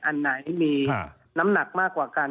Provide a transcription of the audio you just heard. อันไหนมีน้ำหนักมากกว่ากัน